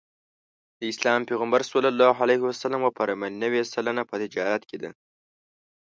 د اسلام پیغمبر ص وفرمایل نوې سلنه په تجارت کې ده.